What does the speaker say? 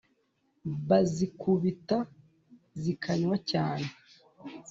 bazikubita zikanywa cyane